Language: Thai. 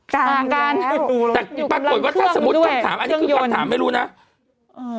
ต่างแล้วอยู่กำลังเครื่องด้วยเครื่องยนต์